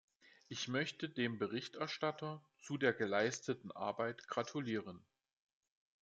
Ich möchte dem Berichterstatter zu der geleisteten Arbeit gratulieren.